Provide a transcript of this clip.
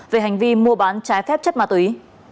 về hành vi mua bán trái phép chất ma túy